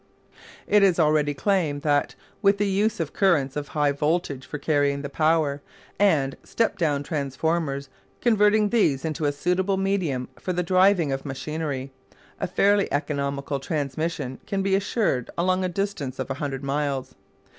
It is already claimed that with the use of currents of high voltage for carrying the power, and "step down transformers" converting these into a suitable medium for the driving of machinery, a fairly economical transmission can be ensured along a distance of 100 miles.